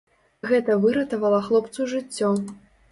Гэта выратавала хлопцу жыццё.